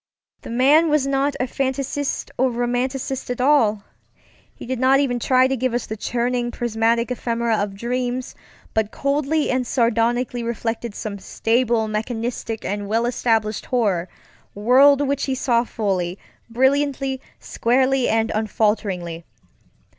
The man was not a fan taisiste or romanticist at allŌĆöhe did not even try to give us the churning, prismatic ephemera of dreams, but coldly and sardonically reflected some stable, mechanistic, and well established horror world which he saw fully, brilliantly, squarely, and unfalteringly.